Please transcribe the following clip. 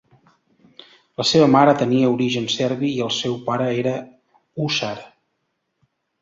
La seva mare tenia origen serbi i el seu pare era hússar.